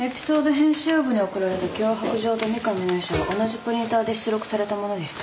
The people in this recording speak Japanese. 編集部に送られた脅迫状と三上の遺書は同じプリンターで出力されたものでした。